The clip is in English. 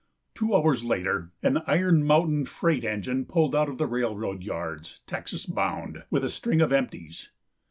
Two hours later an Iron Mountain freight engine pulled out of the railroad yards, Texas bound, with a string of empties.